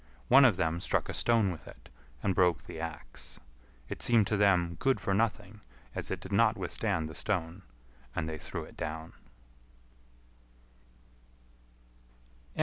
One of them struck a stone with it, and broke the axe. It seemed to them good for nothing, as it did not withstand the stone, and they threw it down.